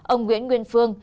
ông nguyễn nguyên phương